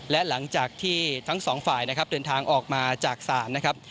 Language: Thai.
และหลังจากที่ทั้งสองฝ่ายนะครับเดินทางออกมาจากศาลนะครับ